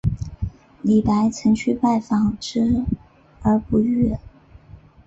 李白曾去拜访之而不遇。